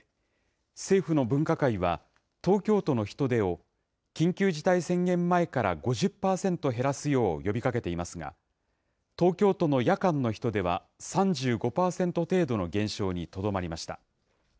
政府の分科会は、東京都の人出を緊急事態宣言前から５０％減らすよう呼びかけていますが、東京都の夜間の人出は３５％程度の減少にとどまりました。